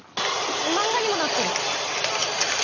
漫画にもなってる！